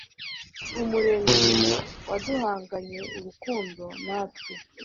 umuremyi, waduhanganye urukundo, natwe